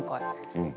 うん。